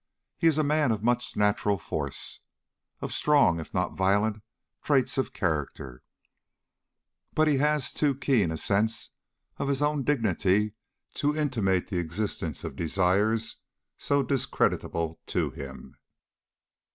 He is a man of much natural force, of strong, if not violent, traits of character; but he has too keen a sense of his own dignity to intimate the existence of desires so discreditable to him."